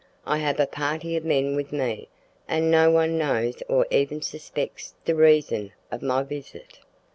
I have a party of men with me, and no one knows or even suspects de reason ob my visit.